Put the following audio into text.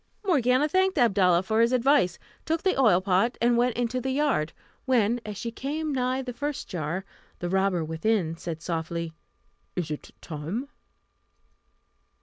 Morgiana thanked Abdalla for his advice, took the oil pot, and went into the yard; when, as she came nigh the first jar, the robber within said softly, "Is it time?"